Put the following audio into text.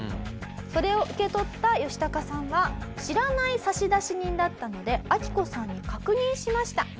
それを受け取ったヨシタカさんは知らない差出人だったのでアキコさんに確認しました。